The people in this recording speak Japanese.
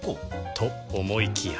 と思いきや